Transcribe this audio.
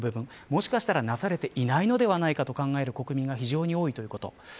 もしかしたらなされていないのではないかと考える国民が非常に多いということ。